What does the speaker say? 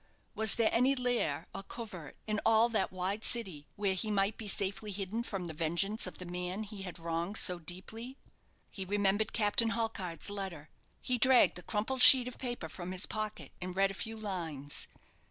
Was there any lair, or covert, in all that wide city where he might be safely hidden from the vengeance of the man he had wronged so deeply? He remembered Captain Halkard's letter. He dragged the crumpled sheet of paper from his pocket, and read a few lines.